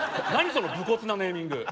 その武骨なネーミング。